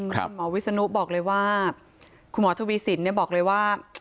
คุณหมอวิศนุบอกเลยว่าคุณหมอทวีสินบอกเลยว่า